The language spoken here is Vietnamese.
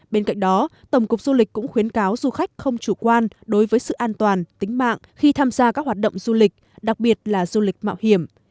bên cạnh đó tổng cục du lịch cũng khuyến cáo du khách không chủ quan đối với sự an toàn tính mạng khi tham gia các hoạt động du lịch đặc biệt là du lịch mạo hiểm